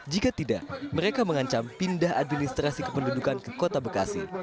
jika tidak mereka mengancam pindah administrasi kependudukan ke kota bekasi